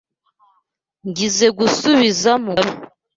Ngizoe gusubiza Mugabe.